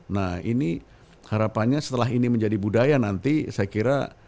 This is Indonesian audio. nah ini harapannya setelah ini menjadi budaya nanti saya kira